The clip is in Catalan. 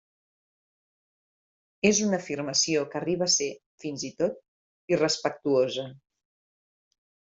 És una afirmació que arriba a ser, fins i tot, irrespectuosa.